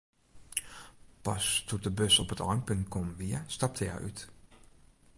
Pas doe't de bus op it einpunt kommen wie, stapte hja út.